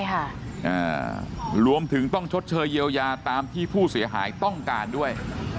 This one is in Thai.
ค่ะอ่ารวมถึงต้องชดเชยเยียวยาตามที่ผู้เสียหายต้องการด้วย